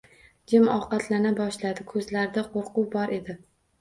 Jim ovqatlana boshladi, ko‘zlarida qo‘rquv bor edi